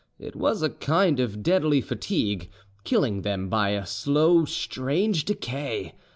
It was a kind of deadly fatigue, killing them by a slows strange decay.